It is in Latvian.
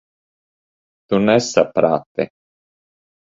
Tu nesaprati.